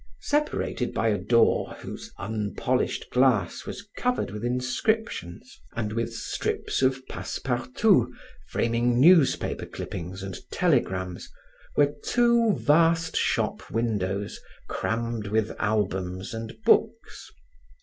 Separated by a door whose unpolished glass was covered with inscriptions and with strips of passe partout framing newspaper clippings and telegrams, were two vast shop windows crammed with albums and books.